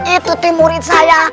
itu tim murid saya